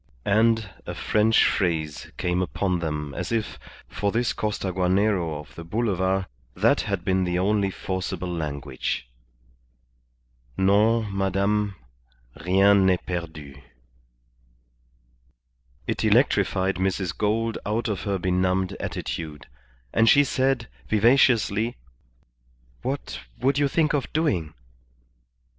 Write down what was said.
And a French phrase came upon them as if, for this Costaguanero of the Boulevard, that had been the only forcible language "Non, Madame. Rien n'est perdu." It electrified Mrs. Gould out of her benumbed attitude, and she said, vivaciously "What would you think of doing?"